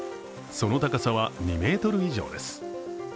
その高さは２ｍ以上です。